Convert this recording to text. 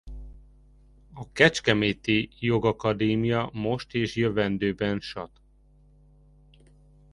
A kecskeméti jogakadémia most és jövendőben sat.